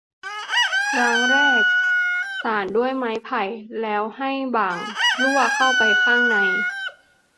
ครั้งแรกสานด้วยไม้ไผ่ แล้วให้บ่างลั่วเข้าไปข้างใน